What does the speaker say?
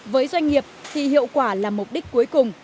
với doanh nghiệp thì hiệu quả là mục đích cuối cùng